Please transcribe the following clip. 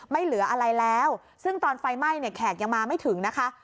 ไม่เหลืออะไรแล้วซึ่งตอนไฟไหม้เนี่ยแขกยังมาไม่ถึงนะคะ